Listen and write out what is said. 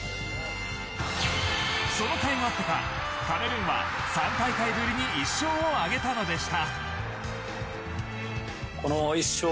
そのかいもあってかカメルーンは３大会ぶりに１勝を挙げたのでした。